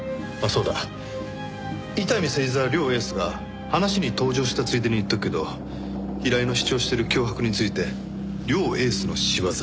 両エースが話に登場したついでに言っとくけど平井の主張してる脅迫について両エースの仕業。